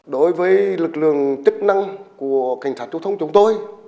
đối với lực lượng chức năng của cảnh sát giao thông chúng tôi